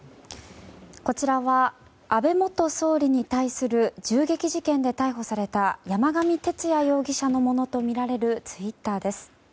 こちらは安倍元総理に対する銃撃事件で逮捕された山上徹也容疑者のものとみられるツイッターです。